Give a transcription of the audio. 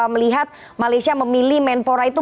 melihat malaysia memilih menpora itu